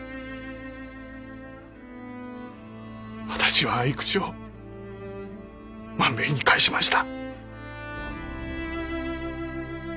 私は匕首を万兵衛に返しました。